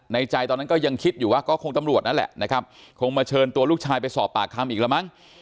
ใจตอนนั้นก็ยังคิดอยู่ว่าก็คงตำรวจนั่นแหละนะครับคงมาเชิญตัวลูกชายไปสอบปากคำอีกแล้วมั้ง